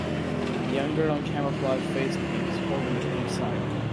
A young girl in camouflage face paint is holding a pink sign.